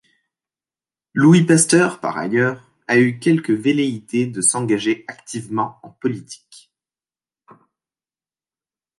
Louis Pasteur, par ailleurs, a eu quelques velléités de s'engager activement en politique.